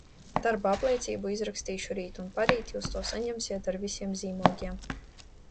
Darba apliecību izrakstīšu rīt un parīt jūs to saņemsiet ar visiem zīmogiem.